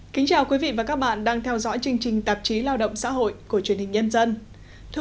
kính chào quý vị và các bạn đang theo dõi chương trình tạp chí lao động xã hội của truyền hình nhân dân